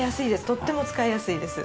とっても使いやすいです。